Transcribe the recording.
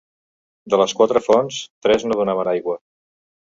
De les quatre fonts, tres no donaven aigua.